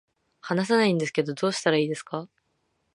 話せないんですけど、どうしたらいいですか